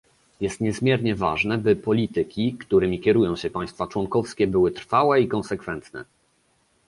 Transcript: Jest niezmiernie ważne, by polityki, którymi kierują się państwa członkowskie, były trwałe i konsekwentne